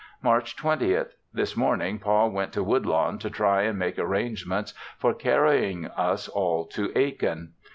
March 20th. This morning Pa went to Woodlawn to try and make arrangements for carrying us all to Aiken.